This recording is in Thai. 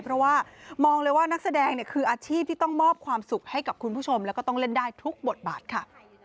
เพราะว่ามองเลยว่านักแสดงเนี่ยคืออาชีพที่ต้องมอบความสุขให้กับคุณผู้ชมแล้วก็ต้องเล่นได้ทุกบทบาทค่ะ